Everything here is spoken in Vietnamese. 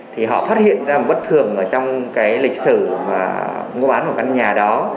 thì họ phát hiện ra một bất thường ở trong cái lịch sử mà mua bán của căn nhà đó